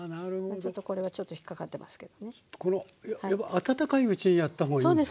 温かいうちにやった方がいいんですか？